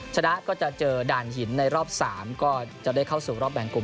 ชนะก็จะเจอด่านหินในรอบ๓ก็จะได้เข้าสู่รอบแบ่งกลุ่ม